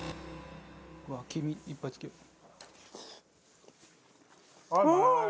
うわ黄身いっぱいつけよう。